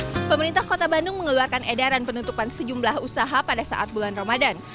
hai pemerintah kota bandung mengeluarkan edaran penutupan sejumlah usaha pada saat bulan ramadan